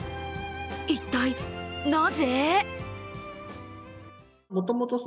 一体なぜ？